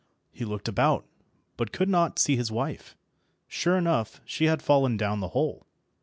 He looked about, but could not see his wife. Sure enough, she had fallen down the hole.